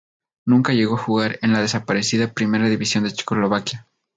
Nunca llegó a jugar en la desaparecida Primera División de Checoslovaquia.